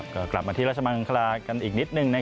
ก็กลับมาที่ราชมังคลากันอีกนิดนึง